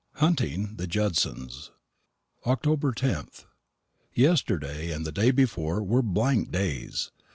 HUNTING THE JUDSONS. Oct. 10th. Yesterday and the day before were blank days.